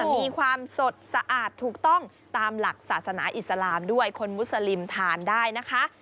มีความสดสะอาดถูกต้องตามหลักศาสนาอิสลามด้วยคนมุสลิมทานได้นะคะ